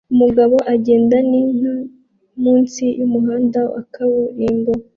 Umugabo agenda n'inka munsi yumuhanda wa kaburimbo